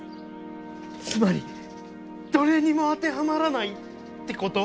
つまりどれにも当てはまらないってこと？